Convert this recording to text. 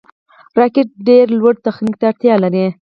راکټ ډېر لوړ تخنیک ته اړتیا لري